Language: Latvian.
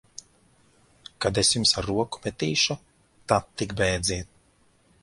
Kad es jums ar roku metīšu, tad tik bēdziet!